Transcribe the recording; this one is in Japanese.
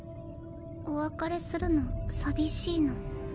お別れするの寂しいの。